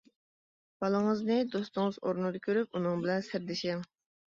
بالىڭىزنى دوستىڭىز ئورنىدا كۆرۈپ، ئۇنىڭ بىلەن سىردىشىڭ.